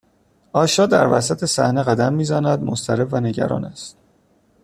آشا در وسط صحنه قدم میزند مضطرب و نگران است